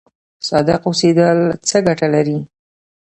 صادق اوسیدل څه ګټه لري؟